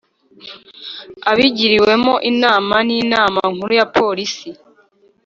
Abigiriwemo inama n inama nkuru ya polisi